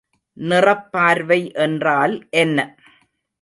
நிறப்பார்வை என்றால் என்ன?